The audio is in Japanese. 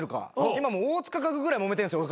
今もう大塚家具ぐらいもめてんすよ